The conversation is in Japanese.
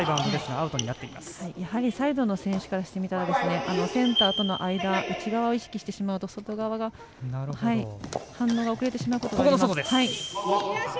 サイドの選手からしたらセンターとの間内側を意識してしまうと外側が反応が遅れてしまうことがあります。